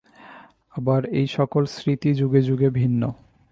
আবার এই-সকল স্মৃতি যুগে যুগে ভিন্ন।